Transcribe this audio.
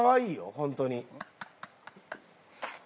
ホントに。